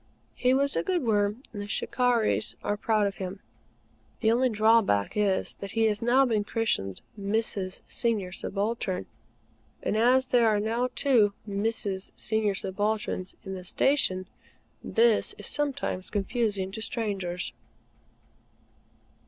He was a good Worm; and the "Shikarris" are proud of him. The only drawback is that he has been christened "Mrs. Senior Subaltern;" and as there are now two Mrs. Senior Subalterns in the Station, this is sometimes confusing to strangers.